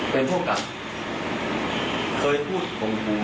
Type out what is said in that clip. เป็นพวกกับเคยพูดของผม